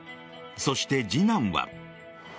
そして次男は。